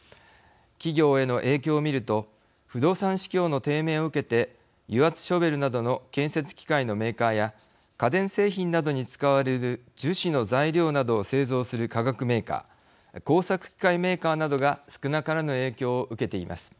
企業への影響を見ると不動産市況の低迷を受けて油圧ショベルなどの建設機械のメーカーや家電製品などに使われる樹脂の材料などを製造する化学メーカー工作機械メーカーなどが少なからぬ影響を受けています。